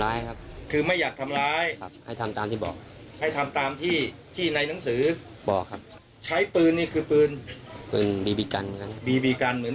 เลือกเฉพาะทองเส้นใหญ่ใช่ไหมพี่